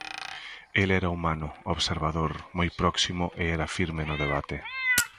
El era humano, observador, moi próximo e era firme no debate.